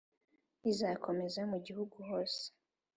izakomeza mu gihugu hose